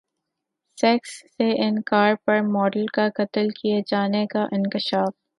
sex سے انکار پر ماڈل کا قتل کیے جانے کا انکشاف